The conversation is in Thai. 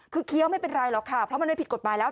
คือเคี้ยวไม่เป็นไรหรอกค่ะเพราะมันไม่ผิดกฎหมายแล้ว